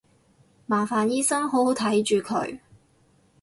麻煩醫生好好睇住佢